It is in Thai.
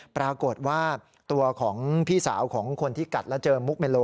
ปรากฏว่าตัวของพี่สาวของคนที่กัดแล้วเจอมุกเมโล